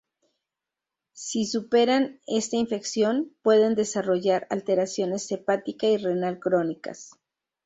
Si superan esta infección, pueden desarrollar alteraciones hepática y renal crónicas.